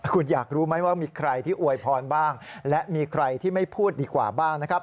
คุณอยากรู้ไหมว่ามีใครที่อวยพรบ้างและมีใครที่ไม่พูดดีกว่าบ้างนะครับ